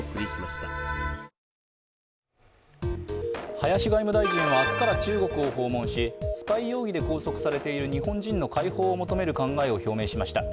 林外務大臣は明日から中国を訪問しスパイ容疑で拘束されている日本人の解放を求める考えを表明しました。